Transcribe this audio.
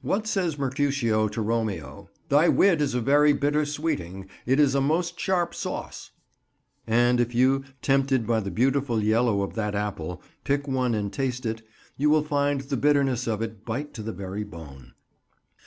What says Mercutio to Romeo? "Thy wit is a very bitter sweeting: it is a most sharp sauce." And if you, tempted by the beautiful yellow of that apple, pick one and taste it, you will find the bitterness of it bite to the very bone.